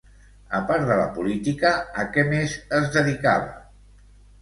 A part de la política, a què més es dedicava?